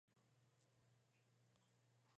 聽重金屬甩頭練脖子